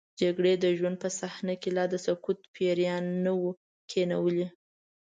جګړې د ژوند په صحنه کې لا د سکوت پیریان نه وو کینولي.